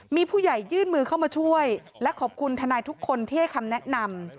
มีผู้ใหญ่ยื่นมือเข้ามาช่วยและขอบคุณทนายทุกคนที่ให้คำแนะนำ